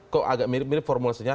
kok agak mirip mirip formulasinya